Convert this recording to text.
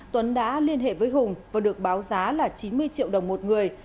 tuấn đã liên hệ với hùng và được báo giá là chín mươi triệu đồng một người